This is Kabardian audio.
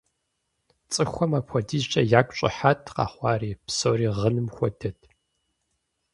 ЦӀыхухэм апхуэдизкӀэ ягу щӀыхьат къэхъуари, псори гъыным хуэдэт.